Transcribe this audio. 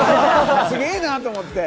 すげぇなと思って。